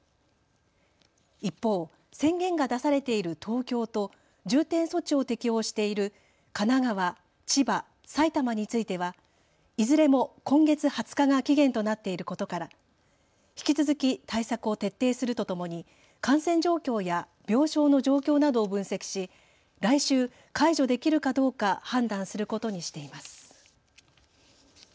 一方、宣言が出されている東京と重点措置を適用している神奈川、千葉、埼玉についてはいずれも今月２０日が期限となっていることから引き続き対策を徹底するとともに感染状況や病床の状況などを分析し、来週解除できるかどうか判断することにしています。